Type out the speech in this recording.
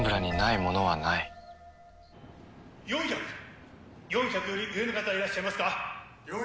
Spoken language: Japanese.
４００より上の方はいらっしゃいますか？